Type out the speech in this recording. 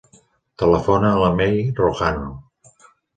Telefona a la Mei Rojano.